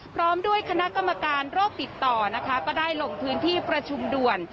พร้อมด้วยคณะกรรมการโรคติดต่อนะคะก็ได้ลงพื้นที่ประชุมด่วน